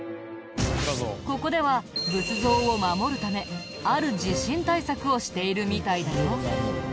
ここでは仏像を守るためある地震対策をしているみたいだよ。